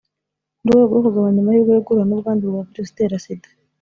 mu rwego rwo kugabanya amahirwe yo guhura n’ubwandu bwa virusi itera Sida